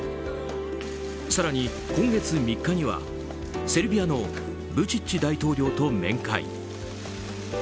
更に、今月３日にはセルビアのブチッチ大統領と面会。